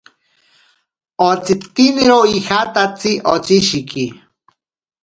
Otsitiniro ijatatsi otsishiki.